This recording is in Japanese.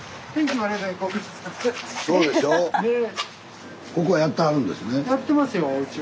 そうでしょう？ねえ。